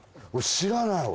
知らない俺。